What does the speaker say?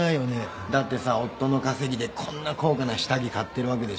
だってさ夫の稼ぎでこんな高価な下着買ってるわけでしょ？